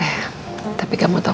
eh tapi kamu tau nggak al